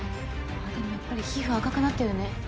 でもやっぱり皮膚赤くなってるね。